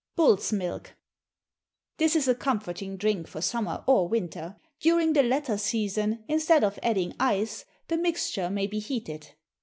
Bull's Milk. This is a comforting drink for summer or winter. During the latter season, instead of adding ice, the mixture may be heated.